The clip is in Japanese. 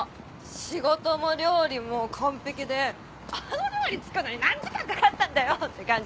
仕事も料理も完璧であの料理作んのに何時間かかったんだよって感じ。